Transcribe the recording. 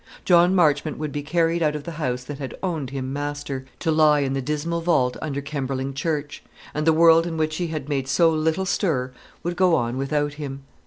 John Marchmont would be carried out of the house that had owned him master, to lie in the dismal vault under Kemberling Church; and the world in which he had made so little stir would go on without him.